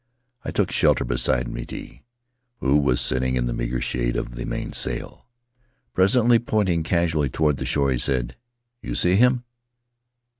I took shelter beside Miti, who was sitting in the meager shade of the mainsail. Presently, pointing casually toward the shore, he said: "You see him?